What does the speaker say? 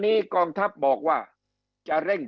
คำอภิปรายของสอสอพักเก้าไกลคนหนึ่ง